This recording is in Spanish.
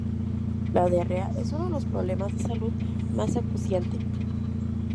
La diarrea es uno de los problemas de salud más acuciante.